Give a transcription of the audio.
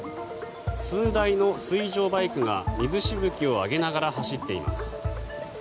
数台の水上バイクが水しぶきを上げながら走っています。